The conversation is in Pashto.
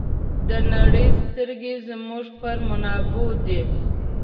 د نړۍ سترګې زموږ پر منابعو دي.